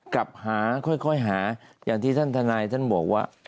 กลับหาค่อยหาอย่างที่ท่านทนายท่านบอกว่า